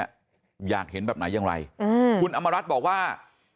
อยากเห็นแบบไหนอย่างไรอืมคุณอำมารัฐบอกว่า